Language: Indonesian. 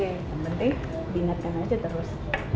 yang penting diingatkan aja terus